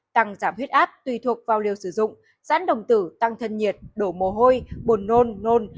tăng giảm huyết áp tùy thuộc vào liều sử dụng giãn đồng tử tăng thân nhiệt đổ mồ hôi buồn nôn nôn